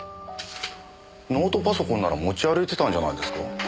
ノートパソコンなら持ち歩いてたんじゃないですか？